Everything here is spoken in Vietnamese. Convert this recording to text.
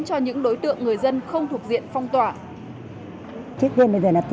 cho những đối tượng người dân không thuộc diện phong tỏa